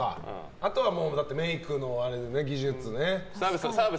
あとはメイクの技術ね。